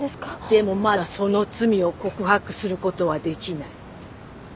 でもまだその罪を告白することはできない。